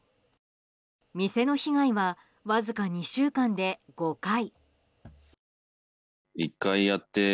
店の被害はわずか２週間で５回。